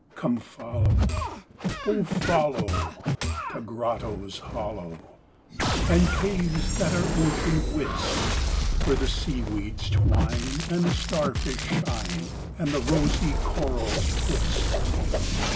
Come follow, oh, follow, to grottoes hollow, And caves that are ocean whist, Where the sea weeds twine and the star fish shine, And the rosy corals twist.